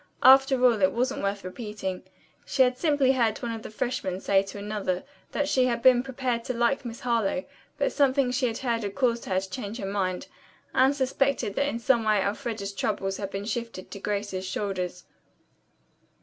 After all it wasn't worth repeating. She had simply heard one freshman say to another that she had been prepared to like Miss Harlowe, but something she had heard had caused her to change her mind. Anne suspected that in some way Elfreda's troubles had been shifted to Grace's shoulders.